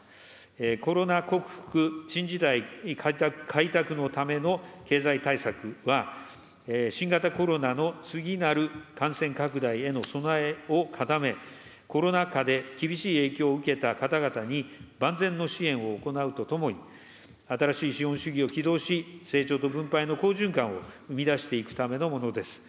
コロナ克服新時代開拓のための経済対策は、新型コロナの次なる感染拡大への備えを固め、コロナ禍で厳しい影響を受けた方々に万全の支援を行うとともに、新しい資本主義を起動し、成長と分配の好循環を生み出していくためのものです。